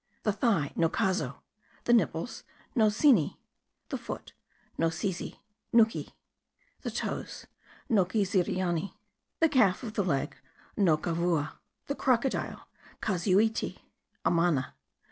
The thigh : Nocazo. The nipples : Nocini. The foot : Nocizi : Nukii. The toes : Nociziriani. The calf of the leg : Nocavua. A crocodile : Cazuiti : Amana.